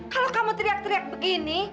kalau kamu teriak teriak begini